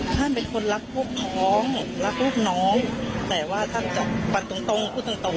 ท่านเป็นคนรักพวกท้องรักลูกน้องแต่ว่าท่านจะฟันตรงพูดตรงตรง